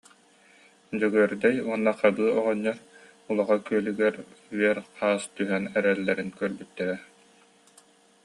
Дьөгүөрдэй уонна Хабыы оҕонньор Улаҕа күөлүгэр үөр хаас түһэн эрэллэрин көрбүттэрэ